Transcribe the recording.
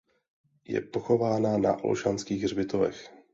Je pochována na Olšanských hřbitovech.